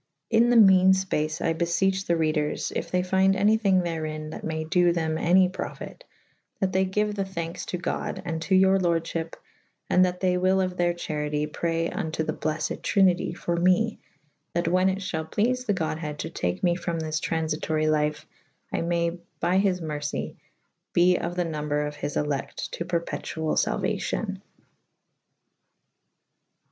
In tht meane fpace I befeche the reders / yf they fynde any thynge therin that may do thew any prtifyte / that they gyue the thankes to god and to your lordfhyp / and that they wyll of theyr charitie pray vnto the bleffyd Trinite for me/ that wha« it fhall pleafe the godhed to take me from this tra«f itory lyfe / I may by his mercy be of the nombre of his electe to perpetuall faluacyon.